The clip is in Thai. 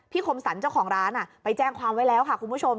คมสรรเจ้าของร้านไปแจ้งความไว้แล้วค่ะคุณผู้ชม